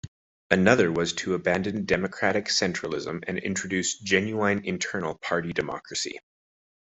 Another was to abandon democratic centralism and introduce genuine internal party democracy.